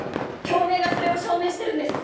京明がそれを証明してるんです。